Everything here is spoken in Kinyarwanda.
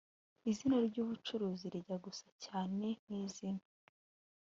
izina ry ubucuruzi rijya gusa cyane n izina